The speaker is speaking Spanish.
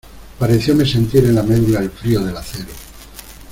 parecióme sentir en la medula el frío del acero: